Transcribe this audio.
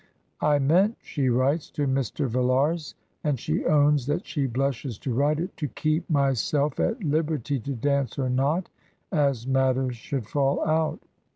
" I meant," she writes to Mr. Villars, and she owns that she blushes to write it, " to keep my self at Uberty to dance or not, as matters should fall out.